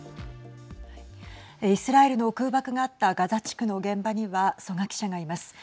イスラエルの空爆があったガザ地区の現場には曽我記者がいます。